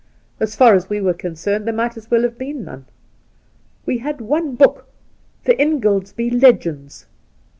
As far as we were concerned, there might as well have been none. We had one book, "The Ingoldsby Legends."